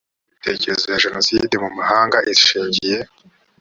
imiterere y ingengabitekerezo ya jenoside mu mahanga ishingiye